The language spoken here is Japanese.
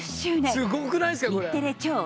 すごくないですかこれ。